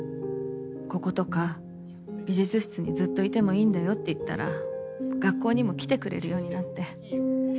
こことか美術室にずっといてもいいんだよって言ったら学校にも来てくれるようになって。